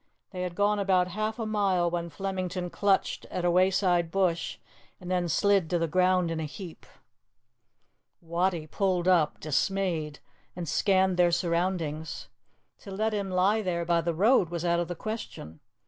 They had gone about half a mile when Flemington clutched at a wayside bush and then slid to the ground in a heap. Wattie pulled up, dismayed, and scanned their surroundings. To let him lie there by the road was out of the question.